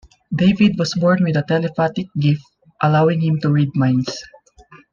David was born with a telepathic gift allowing him to read minds.